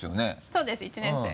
そうです１年生。